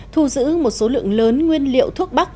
thu giữ một số lượng lớn nguyên liệu thuốc bắc